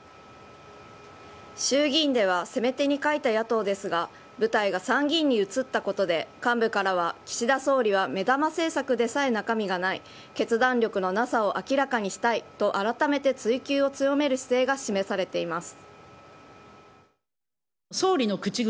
衆議院では攻め手に欠いた野党ですが舞台が参議院に移ったことで幹部からは岸田総理は目玉政策さえ中身がない決断力のなさを明らかにしたいとあらためて追及を強める姿勢が示されています。